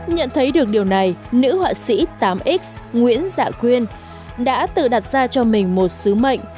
nhận thấy được điều này nữ họa sĩ tám x nguyễn dạ quyên đã tự đặt ra cho mình một sứ mệnh